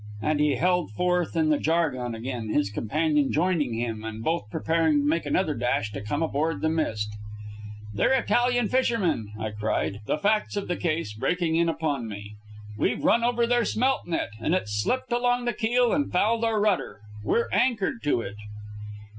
And he held forth in the jargon again, his companion joining him, and both preparing to make another dash to come aboard the Mist. "They're Italian fishermen," I cried, the facts of the case breaking in upon me. "We've run over their smelt net, and it's slipped along the keel and fouled our rudder. We're anchored to it."